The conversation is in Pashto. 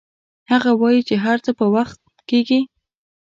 هغه وایي چې هر څه په خپل وخت کیږي